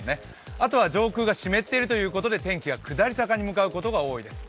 あとは上空が湿っているということで、天気が下り坂に向かうことが多いです。